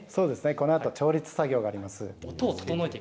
このあと調律作業があります。